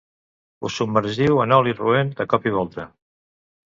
Ho submergiu en oli roent de cop i volta.